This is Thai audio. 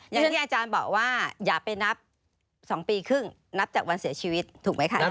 อย่างที่อาจารย์บอกว่าอย่าไปนับ๒ปีครึ่งนับจากวันเสียชีวิตถูกไหมคะ